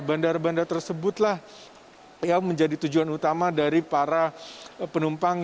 bandara bandara tersebutlah yang menjadi tujuan utama dari para penumpang